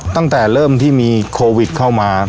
ตั้งแต่เริ่มที่มีโควิดเข้ามา